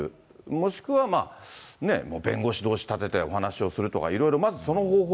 もしくは、弁護士どうし立ててお話をするとか、まずその方法、